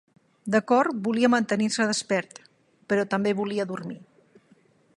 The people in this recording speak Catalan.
De cor, volia mantenir-se despert, però també volia dormir.